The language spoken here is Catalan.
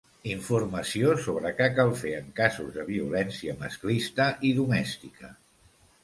Informació sobre què cal fer en casos de violència masclista i domèstica.